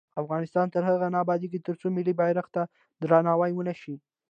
افغانستان تر هغو نه ابادیږي، ترڅو ملي بیرغ ته درناوی ونشي.